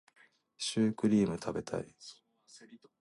シュークリーム食べたい